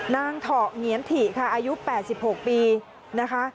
นางเถาเหงียนถี่ค่ะอายุแปดสิบหกปีนะคะ